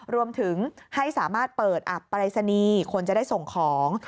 รวมถึงให้สามารถเปิดอับปรายศนีย์คนจะได้ส่งของ